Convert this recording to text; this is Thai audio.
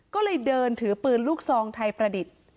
ก็เลยเดินถือปืนลูกซองไทยประดิษฐ์